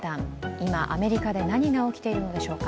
今、アメリカで何が起きているのでしょうか。